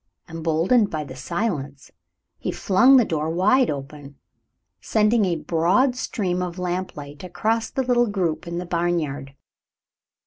Emboldened by the silence, he flung the door wide open, sending a broad stream of lamplight across the little group in the barnyard.